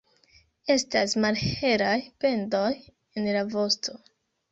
Estas malhelaj bendoj en la vosto.